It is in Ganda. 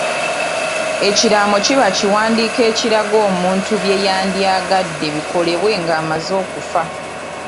Ekiraamo kiba kiwandiiko ekiraga omuntu bye yandyagadde bikolebwe ng'amaze okufa.